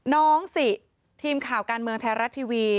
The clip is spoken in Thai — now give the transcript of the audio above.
สิทีมข่าวการเมืองไทยรัฐทีวี